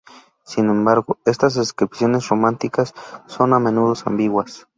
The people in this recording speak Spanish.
Sin embargo, estas descripciones románticas son a menudo ambiguas.